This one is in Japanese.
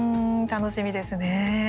楽しみですね。